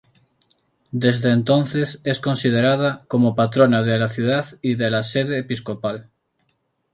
Desde entonces es considerada, como patrona de la ciudad y de la sede episcopal.